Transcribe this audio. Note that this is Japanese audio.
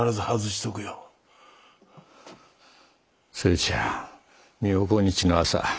それじゃあ明後日の朝